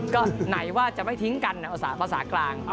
ก็ไหนว่าจะไม่ทิ้งกันภาษากลาง